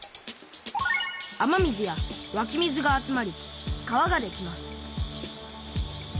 雨水やわき水が集まり川ができます